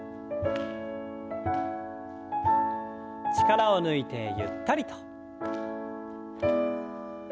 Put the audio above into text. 力を抜いてゆったりと。